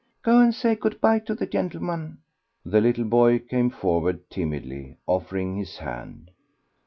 "Go and say good bye to the gentleman." The little boy came forward timidly, offering his hand.